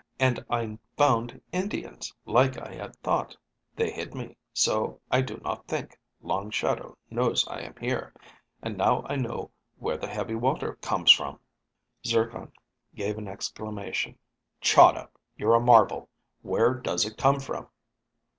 And I found Indians, like I had thought. They hid me, so I do not think Long Shadow knows I am here. And now I know where the heavy water comes from." Zircon gave an exclamation. "Chahda, you're a marvel! Where does it come from?"